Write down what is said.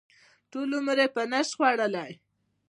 ټول عمر یې په نشت خوړلی.